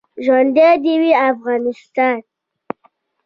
ژوندی دې وي افغانستان.